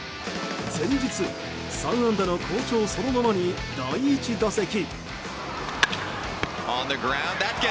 前日３安打の好調そのままに第１打席。